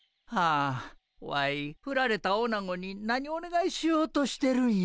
あワイふられたオナゴに何おねがいしようとしてるんや。